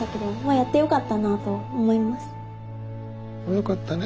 よかったね。